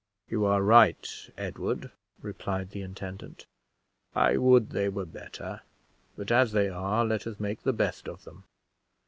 "You are right, Edward," replied the intendant; "I would they were better, but as they are, let us make the best of them.